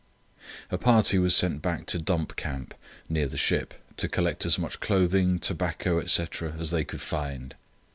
A party was sent back to Dump Camp, near the ship, to collect as much clothing, tobacco, etc., as they could find.